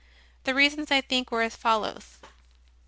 The reasons, I think, were as follows.